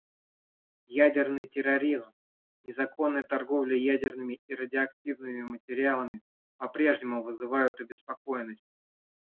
Ядерный терроризм, незаконная торговля ядерными и радиоактивными материалами попрежнему вызывают обеспокоенность.